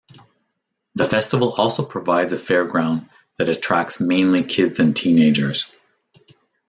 The festival also provides a fairground that attracts mainly kids and teenagers.